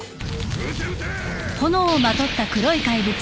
撃て撃て！